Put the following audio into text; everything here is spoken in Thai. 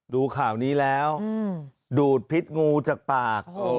ดูข่าวนี้แล้วดูดพิษงูจากปาก